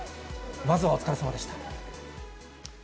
まずはお疲れさまでした。